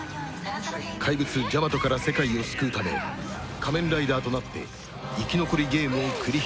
怪物ジャマトから世界を救うため仮面ライダーとなって生き残りゲームを繰り広げる